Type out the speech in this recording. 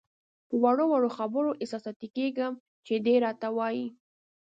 په وړو وړو خبرو احساساتي کېږم چې دی راته وایي.